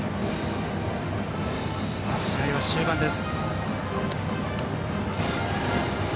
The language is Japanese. さあ、試合は終盤です。